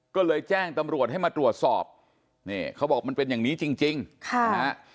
ก็เลยแจ้งตำรวจให้มาตรวจสอบนี่เขาบอกมันเป็นอย่างนี้จริงจริงค่ะนะฮะ